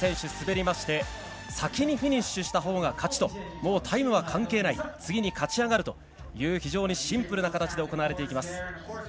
選手滑りまして先にフィニッシュしたほうが勝ちと、タイムは関係ない次に勝ち上がるという非常にシンプルな形で行われていきます。